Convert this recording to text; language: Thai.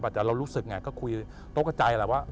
แต่เรารู้สึกอย่างไรก็คุยตกกับใจแล้วว่า